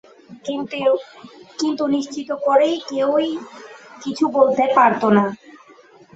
কিন্তু নিশ্চিত করে কেউই কিছু বলতে পারত না।